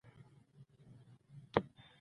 ماشومان مې د خدای پر اوېجه نه پرېږدي.